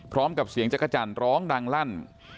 พร้อมกับเสียงจักรจันทร์ร้องดังลั่น